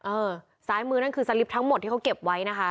เออซ้ายมือนั่นคือสลิปทั้งหมดที่เขาเก็บไว้นะคะ